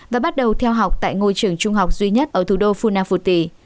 và bắt đầu theo học tại ngôi trường trung học duy nhất ở thủ đô funafuti